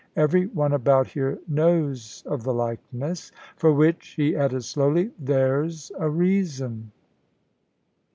"Every one about here knows of the likeness; for which," he added slowly, "there's a reason."